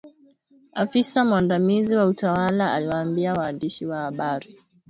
Afisa mwandamizi wa utawala aliwaambia waandishi wa habari.